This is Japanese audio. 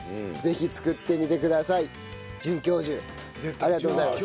准教授ありがとうございます。